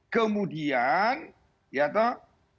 kemudian ya tahu